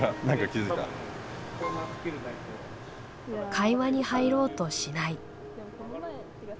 会話に入ろうとしない。